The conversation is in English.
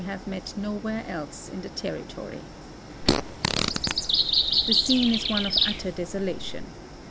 have met nowhere else in the territory. The scene is one of utter desolation.